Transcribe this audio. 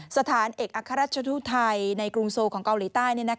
สถานเอกอัครราชทูตไทยในกรุงโซของเกาหลีใต้